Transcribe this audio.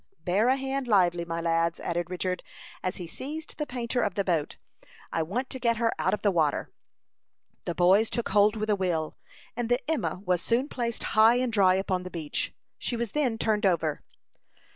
"Bear a hand lively, my lads," added Richard, as he seized the painter of the boat; "I want to get her out of the water." The boys took hold with a will, and the Emma was soon placed high and dry upon the beach. She was then turned over.